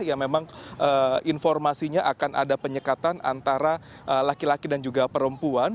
yang memang informasinya akan ada penyekatan antara laki laki dan juga perempuan